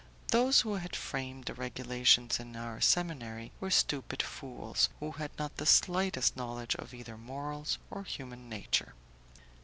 Those who had framed the regulations in our seminary were stupid fools, who had not the slightest knowledge of either morals or human nature.